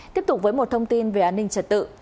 tiếp tục với một thông tin về an ninh trật tự